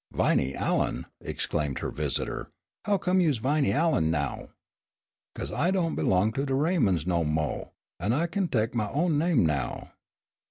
"Viney Allen!" exclaimed her visitor. "Huccum you's Viney Allen now?" "'Cause I don' belong to de Raymonds no mo', an' I kin tek my own name now."